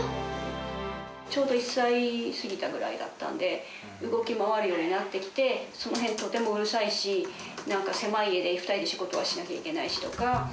ちょうど１歳過ぎたくらいだったんで、動き回るようになってきて、その辺、とてもうるさいし、なんか狭い家で２人で仕事はしなきゃいけないしとか。